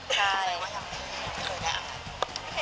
ใช่